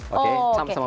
oke sama besar